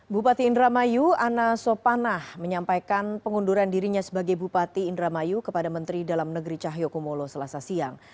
bupati indramayu ana sopanah menyampaikan pengunduran dirinya sebagai bupati indramayu kepada menteri dalam negeri cahyokumolo selasa siang